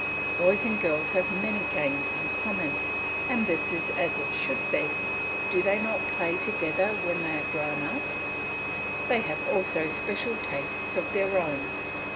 Boys and girls have many games in common, and this is as it should be; do they not play together when they are grown up? They have also special tastes of their own.